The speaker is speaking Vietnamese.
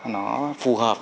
nó phù hợp